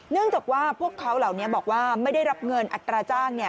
จากว่าพวกเขาเหล่านี้บอกว่าไม่ได้รับเงินอัตราจ้าง